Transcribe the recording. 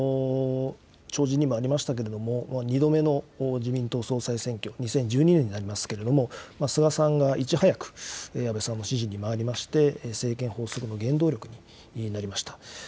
弔辞にもありましたけれども、２度目の自民党総裁選挙、２０１２年になりますけれども、菅さんがいち早く安倍さんの支持に回りまして、政権発足の原動力になりました。